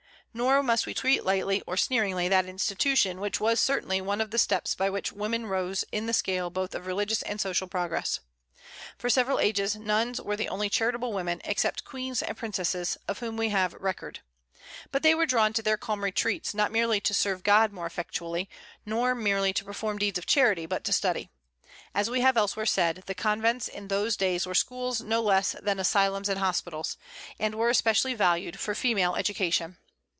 Nor must we treat lightly or sneeringly that institution which was certainly one of the steps by which women rose in the scale both of religious and social progress. For several ages nuns were the only charitable women, except queens and princesses, of whom we have record. But they were drawn to their calm retreats, not merely to serve God more effectually, nor merely to perform deeds of charity, but to study. As we have elsewhere said, the convents in those days were schools no less than asylums and hospitals, and were especially valued for female education.